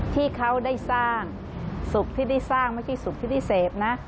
ที่เขาได้สร้างสุขที่ได้สร้างไม่ใช่สุขที่ได้เสพนะ